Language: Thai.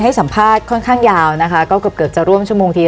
ให้สัมภาษณ์ค่อนข้างยาวนะคะก็เกือบเกือบจะร่วมชั่วโมงที